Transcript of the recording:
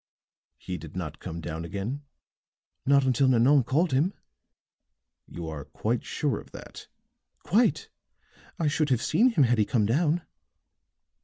"He did not come down again?" "Not until Nanon called him." "You are quite sure of that?" "Quite. I should have seen him had he come down."